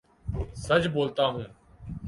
سچ بولتا ہوں